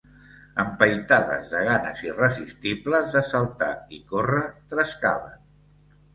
Empaitades de ganes irresistibles de saltar i córrer, trescaven